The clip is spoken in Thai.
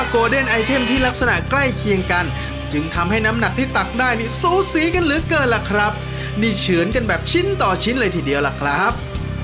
คุณมีเวลา๖๐วินาทีในการตักสิ่งของปริศนานะครับ